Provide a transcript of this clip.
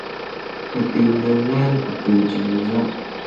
katinengan aku ciniza.